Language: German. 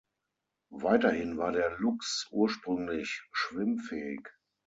Weiterhin war der Luchs ursprünglich schwimmfähig.